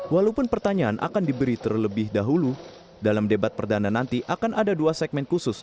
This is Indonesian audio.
walaupun pertanyaan akan diberi terlebih dahulu dalam debat perdana nanti akan ada dua segmen khusus